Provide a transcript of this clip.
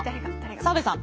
澤部さん。